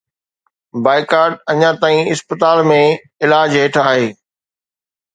Boycott اڃا تائين اسپتال ۾ علاج هيٺ آهي.